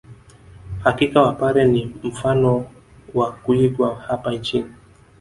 Hakika wapare ni mfano wa kuigwa hapa nchini